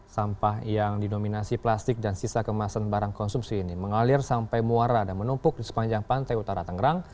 sampah yang dinominasi plastik dan sisa kemasan barang konsumsi ini mengalir sampai muara dan menumpuk di sepanjang pantai utara tangerang